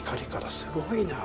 すごいなぁ。